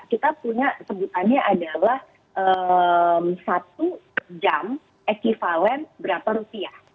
kita punya sebutannya adalah satu jam equivalen berapa rupiah